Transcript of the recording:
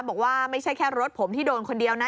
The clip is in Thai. บอกว่าไม่ใช่แค่รถผมที่โดนคนเดียวนะ